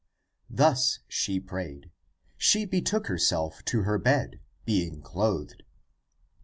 Having thus prayed, she betook herself to her bed, being clothed.